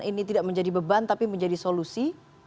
ini tidak menjadi beban tapi menjadi solusi